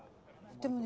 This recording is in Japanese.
でもね